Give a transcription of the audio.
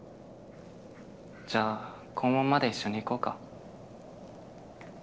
じゃあ校門まで一緒に行こうか。